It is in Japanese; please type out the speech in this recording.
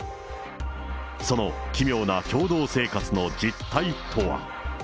その奇妙な共同生活の実態とは。